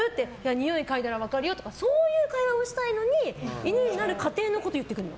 匂い嗅いだら分かるよとかそういう会話をしたいのに犬になる過程のことを言うの。